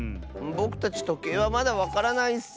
ぼくたちとけいはまだわからないッス！